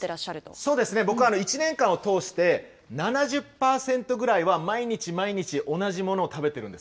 そうですね、僕は１年間を通して７０％ぐらいは、毎日毎日、同じものを？